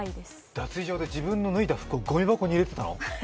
脱衣所で自分で脱いだ服をごみ箱に入れてたの！？